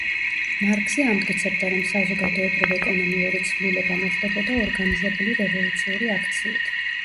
მარქსი ამტკიცებდა, რომ საზოგადოებრივ ეკონომიური ცვლილება მოხდებოდა ორგანიზებული რევოლუციური აქციით.